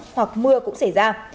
hoặc mưa cũng xảy ra